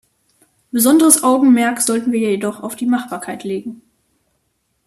Besonderes Augenmerk sollten wir jedoch auf die Machbarkeit legen.